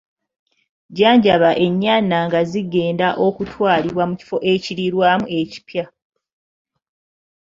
Jjanjaba ennyana nga zigenda okutwalibwa mu kifo ekiriirwamu ekipya.